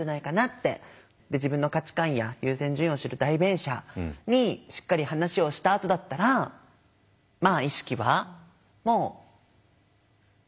自分の価値観や優先順位を知る代弁者にしっかり話をしたあとだったらまあ意識はもういいかな。